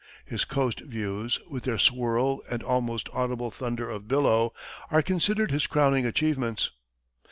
His coast views, with their swirl and almost audible thunder of billow, are considered his crowning achievements.